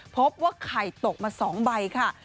พบว่าไข่ตกมา๒ใบค่ะ